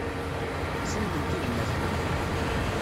Siwlemt i gma-tkent.